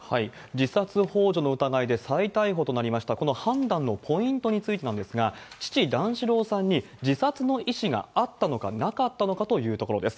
自殺ほう助の疑いで再逮捕となりました、この判断のポイントについてなんですが、父、段四郎さんに自殺の意思があったのか、なかったのかというところです。